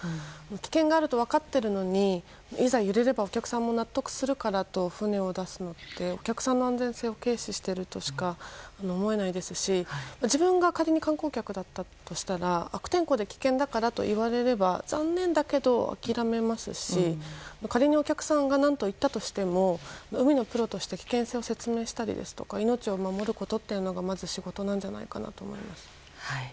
危険があると分かっているのにいざ揺れればお客さんも納得するから船を出すなんてお客さんの安全性を軽視しているとしか思えないですし仮に観光客だったとしたら悪天候で危険だと言われたら残念だけど諦めますし仮にお客さんが海のプロとして危険性を説明したりとかまず仕事なんじゃないかなと思います。